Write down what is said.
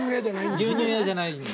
牛乳屋じゃないんです。